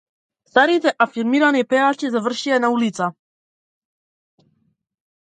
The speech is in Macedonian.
Старите афирмирани пејачи завршија на улица